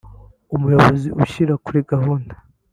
umuyobozi ushyira kuri gahunda